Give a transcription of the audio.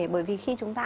bởi vì khi chúng ta